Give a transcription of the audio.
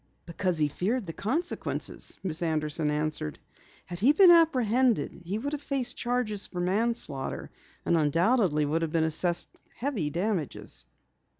"Because he feared the consequences," Miss Anderson answered. "Had he been apprehended he would have faced charges for manslaughter, and undoubtedly would have been assessed heavy damages."